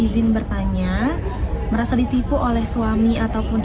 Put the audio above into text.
izin bertanya merasa ditipu oleh suami ataupun